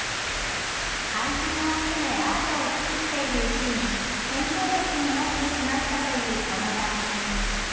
廃品を集めアートを作っているうちに建造物になってしまったというこの作品。